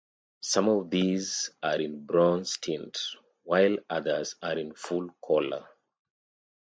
Some of these are in bronze-tint, while others are in full color.